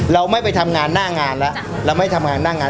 เราไม่ไปทำงานหน้างานแล้วเราไม่ทำงานหน้างาน